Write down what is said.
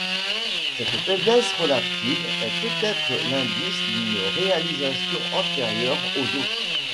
Cette faiblesse relative est peut-être l'indice d'une réalisation antérieure aux autres.